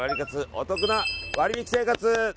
おトクな割引生活。